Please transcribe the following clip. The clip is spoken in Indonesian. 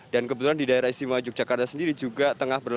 dan kebetulan di daerah istimewa yogyakarta sendiri juga tengah berlutut